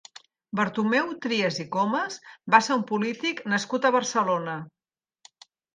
Bartomeu Trias i Comas va ser un polític nascut a Barcelona.